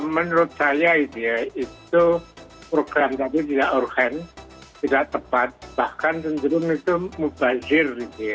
menurut saya itu program tadi tidak urgen tidak tepat bahkan cenderung itu mubazir